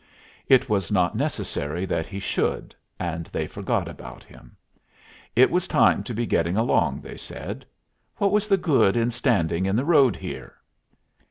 It was not necessary that he should, and they forgot about him. It was time to be getting along, they said. What was the good in standing in the road here?